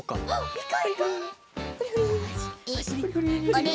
あれ？